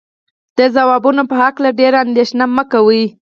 د ځوابونو په هکله ډېره اندېښنه مه کوئ.